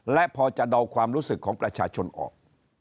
และพอจะเดาความรู้สึกของประชาชนออก